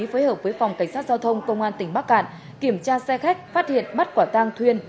phối hợp với phòng cảnh sát giao thông công an tỉnh bắc cạn kiểm tra xe khách phát hiện bắt quả tang thuyên